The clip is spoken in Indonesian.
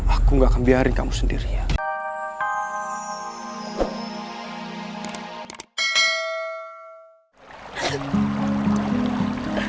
aku gak akan biarin kamu sendirian